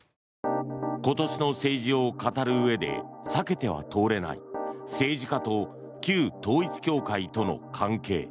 今年の政治を語るうえで避けては通れない政治家と旧統一教会との関係。